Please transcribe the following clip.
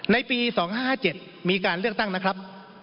ในปี๒๕๕๗มีการเลือกตั้งนะครับ